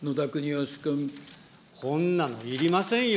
こんなのいりませんよ。